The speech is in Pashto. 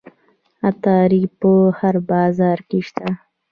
عطاري په هر بازار کې شته.